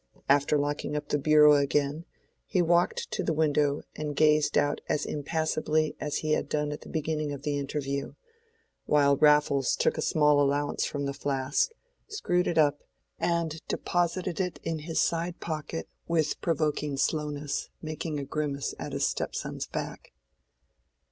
After locking up the bureau again, he walked to the window and gazed out as impassibly as he had done at the beginning of the interview, while Raffles took a small allowance from the flask, screwed it up, and deposited it in his side pocket, with provoking slowness, making a grimace at his stepson's back.